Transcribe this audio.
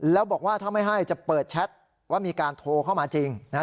แล้วบอกว่าถ้าไม่ให้จะเปิดแชทว่ามีการโทรเข้ามาจริง